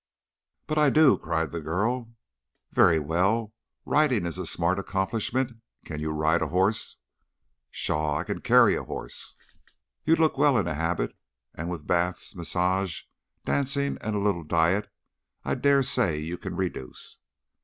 "But I do," cried the girl. "Very well. Riding is a smart accomplishment. Can you ride a horse?" "Pshaw! I can carry a horse." "You'd look well in a habit, and with baths, massage, dancing, and a little diet I dare say you can reduce."